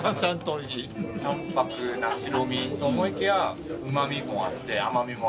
淡泊な白身と思いきやうま味もあって甘味もある。